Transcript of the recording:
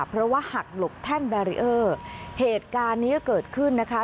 เพราะว่าหักหลบแท่นแบรีเออร์เหตุการณ์นี้ก็เกิดขึ้นนะคะ